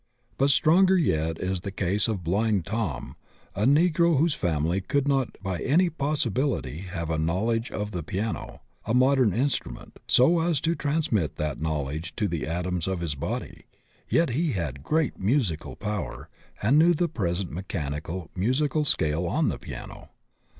But stronger yet is the case of Blind Tom, a negro whose family could not by any possibility have a knowledge of the piano, a modem instrument, so as to transmit that knowledge to the atoms of his body, yet he had great musical power and knew the present mechanical musical scale on the piano.